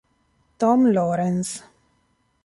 Tom Lawrence